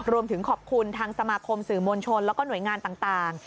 รวมถึงขอบคุณทางสมาคมสื่อมวลชนแล้วก็หน่วยงานต่าง